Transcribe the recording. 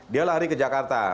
dia lari ke jakarta